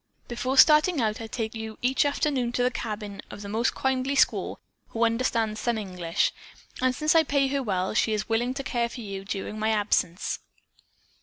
Before starting out I take you each afternoon to the cabin of a most kindly squaw who understands some English and since I pay her well, she is willing to care for you during my absence.'"